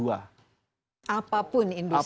apapun industri nya